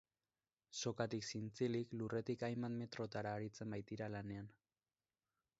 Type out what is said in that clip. Sokatik zintzilik, lurretik hainbat metrotara aritzen baitira lanean.